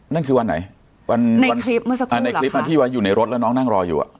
นั่นคือวันไหนวันในวันคลิปเมื่อสักครู่อ่าในคลิปอ่ะที่ไว้อยู่ในรถแล้วน้องนั่งรออยู่อ่ะ